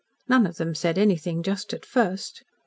None of them said anything just at first.